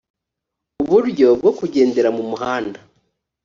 uburyo bwo kugendera mu muhanda